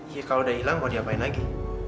iya kalau udah hilang kok diapain lagi